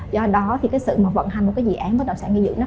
do đó sự vận hành của dự án bất động sản nghị dưỡng